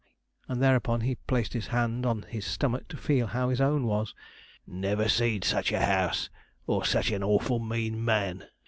and, thereupon, he placed his hand on his stomach to feel how his own was. 'Never see'd sich a house, or sich an awful mean man!'